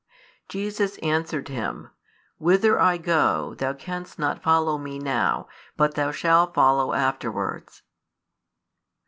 Jesus answered him, Whither I go, thou canst not follow Me now, but thou shall follow afterwards.